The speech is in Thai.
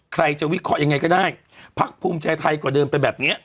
ใครจะวิเคราะห์ยังไงก็ได้พักภูมิใจไทยก็เดินไปแบบเนี้ย